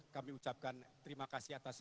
kami ucapkan terima kasih atas